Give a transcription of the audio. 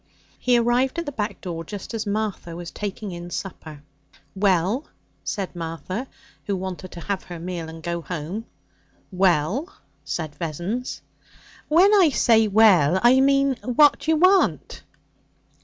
He arrived at the back door just as Martha was taking in supper. 'Well?' said Martha, who wanted to have her meal and go home. 'Well?' said Vessons. 'When I say "well," I mean what d'you want?'